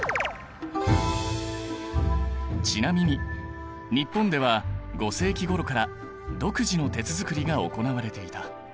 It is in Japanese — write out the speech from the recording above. ちなみに日本では５世紀ごろから独自の鉄づくりが行われていた。